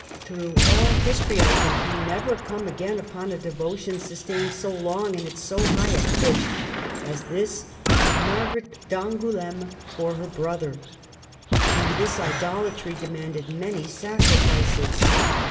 Through all history, I think, we never come again upon a devotion sustained so long and at so high a pitch as this of Margaret d'Angouleme for her brother. And this idolatry demanded many sacrifices.